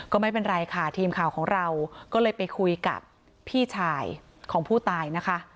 ก็ไม่เป็นไรค่ะทีมข่าวของเราก็เลยไปคุยกับพี่ชายของผู้ตายนะคะ